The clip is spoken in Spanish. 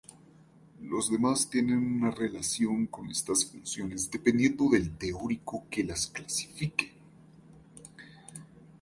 Los demás tiene una relación con estas funciones dependiendo del teórico que las clasifique.